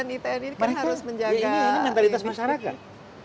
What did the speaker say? ini mentalitas masyarakat